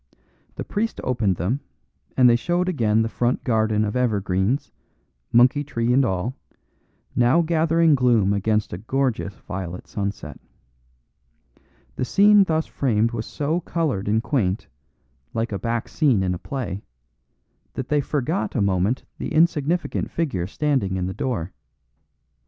The priest opened them, and they showed again the front garden of evergreens, monkey tree and all, now gathering gloom against a gorgeous violet sunset. The scene thus framed was so coloured and quaint, like a back scene in a play, that they forgot a moment the insignificant figure standing in the door.